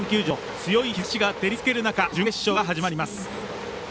強い日ざしが照りつける中準決勝が始まります。